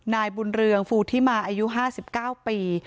นายบุญเรืองฟูธิมาอายุห้าสิบเก้าปี